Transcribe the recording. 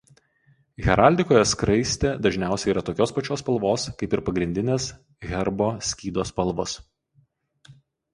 Heraldikoje skraistė dažniausiai yra tokios pačios spalvos kaip ir pagrindinės herbo skydo spalvos.